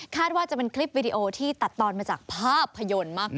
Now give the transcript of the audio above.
ว่าจะเป็นคลิปวิดีโอที่ตัดตอนมาจากภาพยนตร์มาก